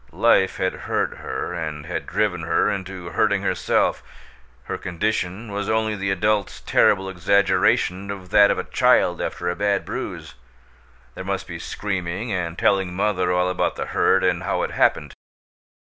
Life had hurt her, and had driven her into hurting herself; her condition was only the adult's terrible exaggeration of that of a child after a bad bruise there must be screaming and telling mother all about the hurt and how it happened.